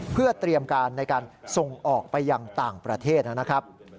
เพื่อเตรียมการในการส่งออกไปยังต่างประเทศนะครับ